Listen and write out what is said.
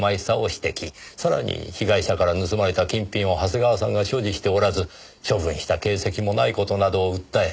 さらに被害者から盗まれた金品を長谷川さんが所持しておらず処分した形跡もない事などを訴え